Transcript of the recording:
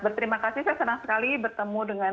berterima kasih saya senang sekali bertemu dengan